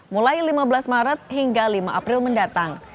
mulai lima belas maret hingga lima april mendatang